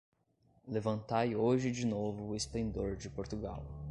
Levantai hoje de novo o esplendor de Portugal!